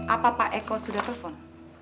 apa pak eko sudah telpon